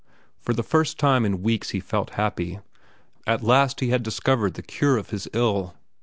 For the first time in weeks he felt happy. At last he had discovered the cure of his ill.